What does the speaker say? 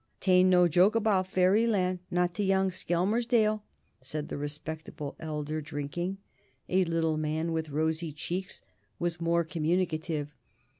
"'Tain't no joke about Fairyland, not to young Skelmersdale," said the respectable elder, drinking. A little man with rosy cheeks was more communicative.